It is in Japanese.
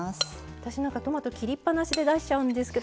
私なんかトマト切りっぱなしで出しちゃうんですけど